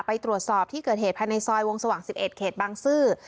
ไปตรวจสอบที่เกิดเหตุภายในซอยวงสว่าง๑๑เขตบางซื่อ